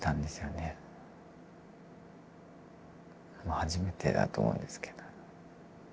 初めてだと思うんですけど。